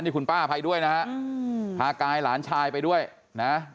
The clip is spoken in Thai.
นี่คุณป้าไปด้วยนะฮะพากายหลานชายไปด้วยนะ